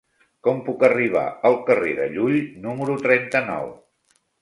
Com puc arribar al carrer de Llull número trenta-nou?